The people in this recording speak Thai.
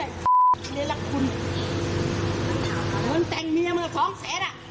เหนื้อกรรมคุณเหมือนแต่งเมียมึงสองแสนอ่ะ